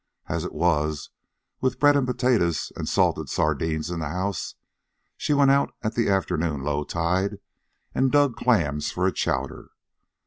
As it was, with bread and potatoes and salted sardines in the house, she went out at the afternoon low tide and dug clams for a chowder.